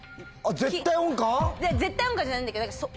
絶対音感じゃないんだけど。